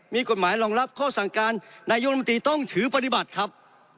มีกฎหมายรองรับข้อสั่งการนายกรรมตรีต้องถือปฏิบัติครับ